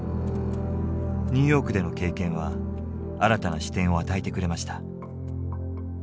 ニューヨークでの経験は新たな視点を与えてくれました。